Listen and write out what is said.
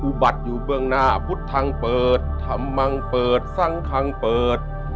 บัติอยู่เบื้องหน้าพุทธทางเปิดธรรมมังเปิดสร้างทางเปิด